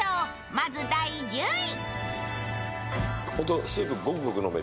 まず、第１０位。